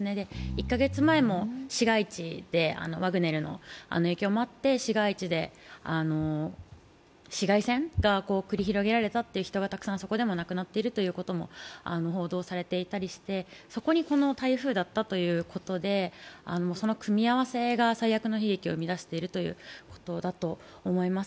１か月前もワグネルの影響もあって市街地で市街戦が繰り広げられたっていう人がたくさんそこでも亡くなっているということも報道されていたりしてそこにこの台風だったということで、その組み合わせが最悪の悲劇を生み出していると思います。